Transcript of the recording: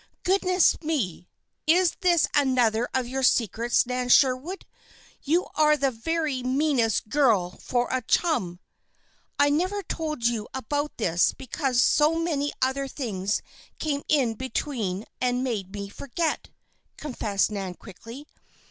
"Goodness me! Is this another of your secrets, Nan Sherwood? You are the very meanest girl for a chum " "I never told you about this because so many other things came in between and made me forget," confessed Nan, quickly.